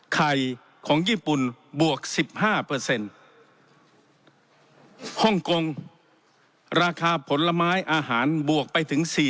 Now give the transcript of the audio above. ๗๑ไข่ของญี่ปุ่นบวก๑๕เปอร์เซ็นต์ห้องกงราคาผลไม้อาหารบวกไปถึง